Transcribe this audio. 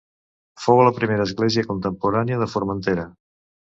Fou la primera església contemporània de Formentera.